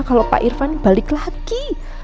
kalau pak irfan balik lagi